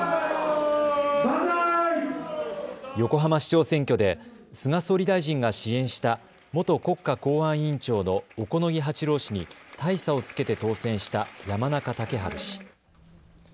横浜市長選挙で菅総理大臣が支援した元国家公安委員長の小此木八郎氏に大差をつけて当選した山中竹春氏。